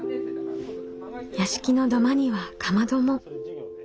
屋敷の土間にはかまども。